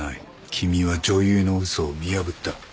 君は女優の嘘を見破った。